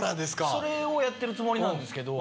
それをやってるつもりなんですけど。